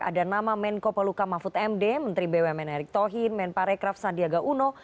ada nama menko poluka mahfud md menteri bumn erick thohir men parekraf sandiaga uno